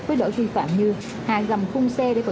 với lỗi vi phạm như hạ gầm khung xe